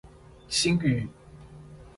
星宇